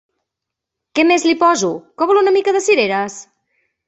Què més li poso? Que vol una mica de cireres!